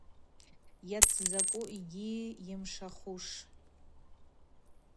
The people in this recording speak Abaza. Йацзакӏу йгьи йымшахуш.